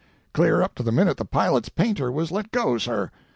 Clear up to the minute the pilot's painter was let go, sir.